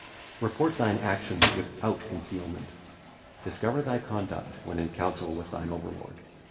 Report thine actions without concealment; discover thy conduct when in council with thine overlord.